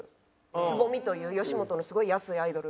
つぼみという吉本のすごい安いアイドル。